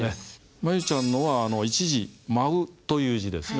舞悠ちゃんのは１字「舞」という字ですね。